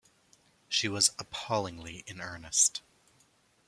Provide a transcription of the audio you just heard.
She was appallingly in earnest.